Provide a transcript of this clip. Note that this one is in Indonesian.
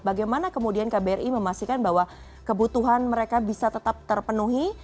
bagaimana kemudian kbri memastikan bahwa kebutuhan mereka bisa tetap terpenuhi